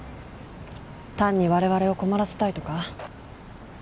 単に我々を困らせたいとか？